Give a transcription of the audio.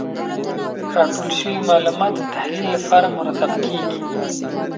راټول سوي معلومات د تحلیل لپاره مرتب کیږي.